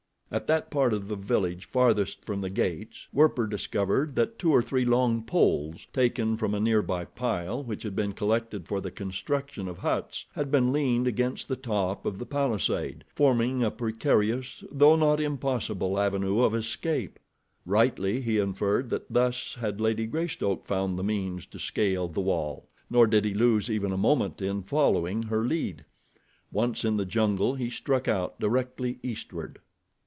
At that part of the village farthest from the gates, Werper discovered that two or three long poles, taken from a nearby pile which had been collected for the construction of huts, had been leaned against the top of the palisade, forming a precarious, though not impossible avenue of escape. Rightly, he inferred that thus had Lady Greystoke found the means to scale the wall, nor did he lose even a moment in following her lead. Once in the jungle he struck out directly eastward.